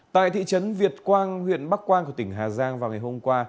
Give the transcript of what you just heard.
từ việt quang huyện bắc quang của tỉnh hà giang vào ngày hôm qua